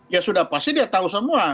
ya sudah pasti dia tahu semua